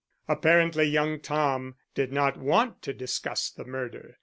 Apparently young Tom did not want to discuss the murder.